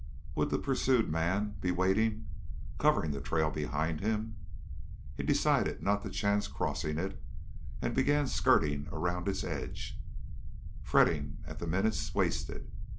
Would the pursued man be waiting ... covering the trail behind him? He decided not to chance crossing it and began skirting around its edge, fretting at the minutes wasted.